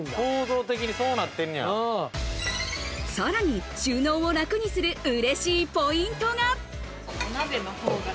さらに収納を楽にする、うれしいポイントが。